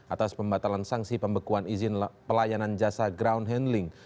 atas pembatalan sanksi pembekuan izin pelayanan jasa ground handling